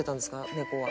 猫は。